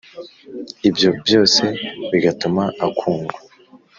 ibyo byose bigatuma akundwa